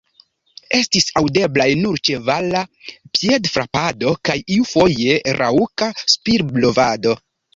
Estis aŭdeblaj nur ĉevala piedfrapado kaj iufoje raŭka spirblovado.